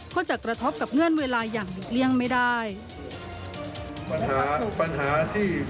ก็จะกระทบกับเงื่อนเวลาอย่างหลีกเลี่ยงไม่ได้